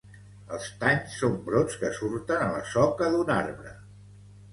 Els tanys són brots que surten a la soca d’un arbre.